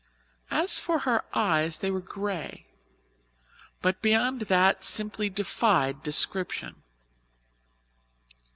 As for her eyes, they were grey, but beyond that simply defied description.